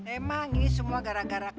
emang ini semua gara gara